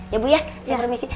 ya bu ya saya permisi